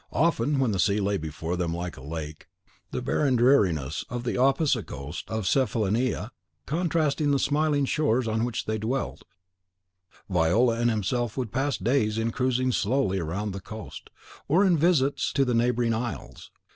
Often, when the sea lay before them like a lake, the barren dreariness of the opposite coast of Cephallenia contrasting the smiling shores on which they dwelt, Viola and himself would pass days in cruising slowly around the coast, or in visits to the neighbouring isles.